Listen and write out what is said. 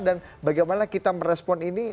bagaimana kita merespon ini